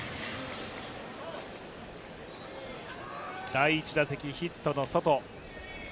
第１打席ヒットのソト。